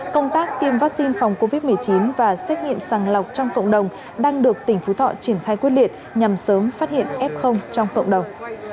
công tác tiêm vaccine phòng covid một mươi chín và xét nghiệm sàng lọc trong cộng đồng đang được tỉnh phú thọ triển khai quyết liệt nhằm sớm phát hiện f trong cộng đồng